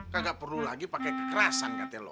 gak perlu lagi pakai kekerasan katanya lo